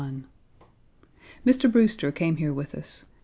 Mr. Brewster came here with us.